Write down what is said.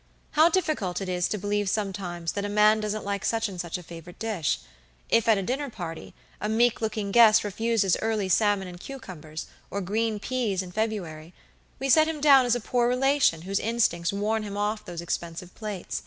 How difficult it is to believe sometimes that a man doesn't like such and such a favorite dish. If at a dinner party, a meek looking guest refuses early salmon and cucumbers, or green peas in February, we set him down as a poor relation whose instincts warn him off those expensive plates.